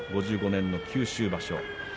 ５５年の九州場所です。